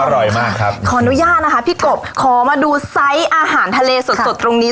อร่อยมากครับขออนุญาตนะคะพี่กบขอมาดูไซส์อาหารทะเลสดสดตรงนี้